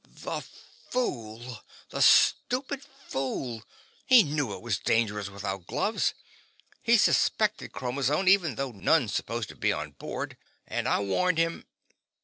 "The fool! The stupid fool. He knew it was dangerous without gloves; he suspected chromazone, even though none's supposed to be on board. And I warned him